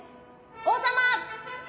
王様！